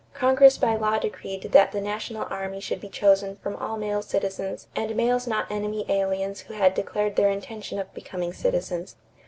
Congress by law decreed that the national army should be chosen from all male citizens and males not enemy aliens who had declared their intention of becoming citizens.